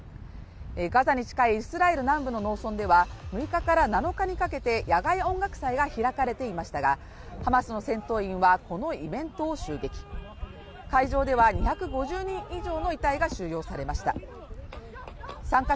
ガザに近いイスラエル南部の農村では６日から７日にかけて野外音楽祭が開かれていましたがハマスの戦闘員はこのイベントを襲撃会場では２５０人以上の遺体が収容されました